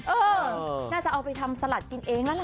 เออน่าจะเอาไปทำสลัดกินเองแล้วล่ะ